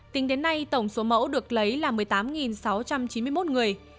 tính đến nay tổng số mẫu được lấy là một mươi tám sáu trăm chín mươi một người